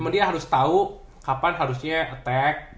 dia harus tahu kapan harusnya attack